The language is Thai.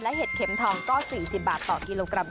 เห็ดเข็มทองก็๔๐บาทต่อกิโลกรัม